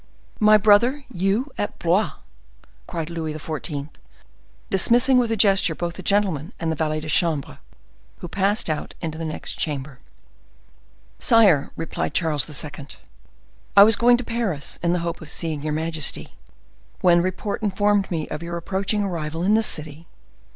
"You, my brother—you at Blois!" cried Louis XIV., dismissing with a gesture both the gentlemen and the valet de chambre, who passed out into the next apartment. "Sire," replied Charles II., "I was going to Paris, in the hope of seeing your majesty, when report informed me of your approaching arrival in this city.